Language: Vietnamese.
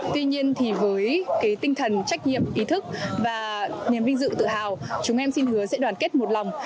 tuy nhiên thì với tinh thần trách nhiệm ý thức và niềm vinh dự tự hào chúng em xin hứa sẽ đoàn kết một lòng